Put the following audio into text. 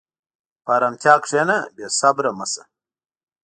په ارامتیا کښېنه، بېصبره مه شه.